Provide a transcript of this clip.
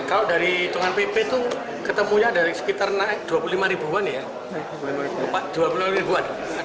kalau dari hitungan pp itu ketemunya dari sekitar rp dua puluh lima ya